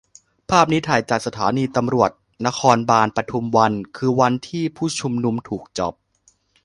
ภาพนี้ถ่ายจากสถานีตำรวจนครบาลปทุมวัน คืนวันที่ผู้ชุมนุมถูกจับ